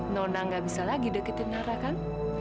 nona gak bisa lagi deketin nara kan